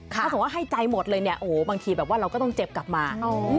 ถ้าสมมุติว่าให้ใจหมดเลยเนี่ยโอ้โหบางทีแบบว่าเราก็ต้องเจ็บกลับมา